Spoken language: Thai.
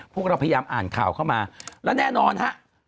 พวกเราพยายามอ่านข่าวเข้ามาและแน่นอนฮะ